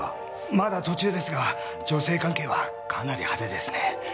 まだ途中ですが女性関係はかなり派手ですね。